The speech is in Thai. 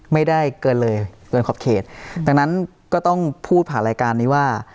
ไม่ได้เกินเลยเกินขอบเขตดังนั้นก็ต้องพูดผ่านรายการนี้ว่า